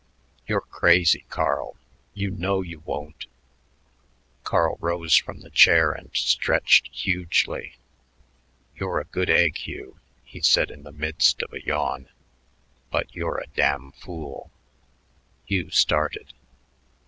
"You're crazy, Carl. You know you won't." Carl rose from the chair and stretched hugely. "You're a good egg, Hugh," he said in the midst of a yawn, "but you're a damn fool." Hugh started.